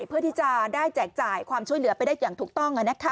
เพื่อที่จะได้แจกจ่ายความช่วยเหลือไปได้อย่างถูกต้อง